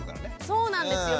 そうなんですよ。